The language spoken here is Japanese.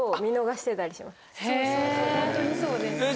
そうです